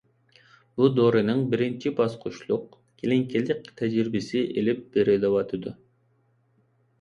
بۇ دورىنىڭ بىرىنچى باسقۇچلۇق كىلىنىكىلىق تەجرىبىسى ئېلىپ بېرىلىۋاتىدۇ.